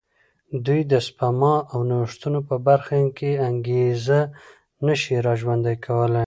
دوی د سپما او نوښتونو په برخه کې انګېزه نه شي را ژوندی کولای.